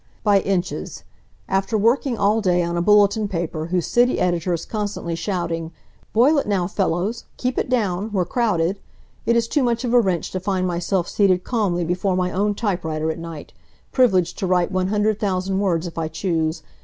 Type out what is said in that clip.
"By inches. After working all day on a bulletin paper whose city editor is constantly shouting: 'Boil it now, fellows! Keep it down! We're crowded!' it is too much of a wrench to find myself seated calmly before my own typewriter at night, privileged to write one hundred thousand words if I choose.